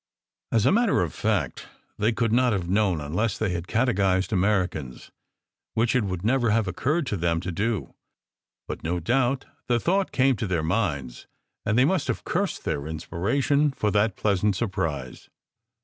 As a matter of fact, they could not have known unless they had catechized Americans, which it would never have occurred to them to do; but no doubt the thought came to their minds, and they must have cursed their "inspiration" for that "pleasant surprise."